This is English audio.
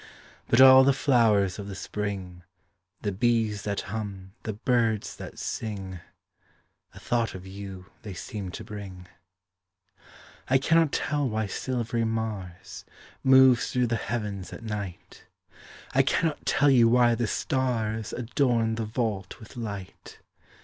But all the flowers of the spring, The bees that hum, the birds that sing, A thought of you they seem to bring. I cannot tell why silvery Mars, Moves through the heav’ns at night; I cannot tell you why the stars, Adorn the vault with light.